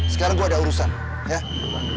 sekarang gue ada urusan ya